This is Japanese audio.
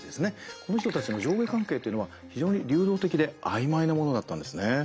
この人たちの上下関係っていうのは非常に流動的で曖昧なものだったんですね。